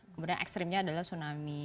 kemudian ekstrimnya adalah tsunami